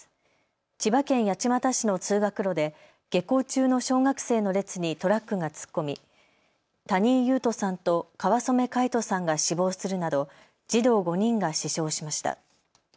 千葉県八街市の通学路で下校中の小学生の列にトラックが突っ込み谷井勇斗さんと川染凱仁さんが死亡するなど児童５人が死傷しました。